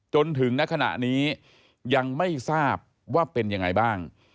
จนถึงณขณะนี้ยังไม่ทราบว่าเป็นยังไงบ้าง